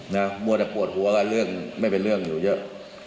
นะฮะมัวแต่ปวดหัวก็ไม่เป็นเรื่องอยู่เยอะ